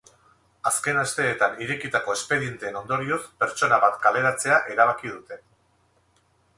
Azken asteetan irekitako espedienteen ondorioz, pertsona bat kaleratzea erabaki dute.